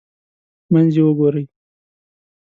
منځ یې وګورئ.